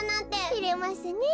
てれますねえ。